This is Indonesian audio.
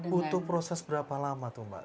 butuh proses berapa lama tuh mbak